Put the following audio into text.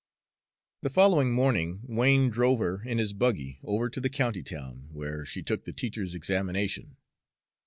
The following morning Wain drove her in his buggy over to the county town, where she took the teacher's examination.